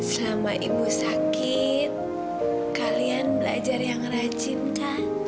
selama ibu sakit kalian belajar yang rajin kan